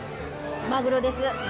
マグロです。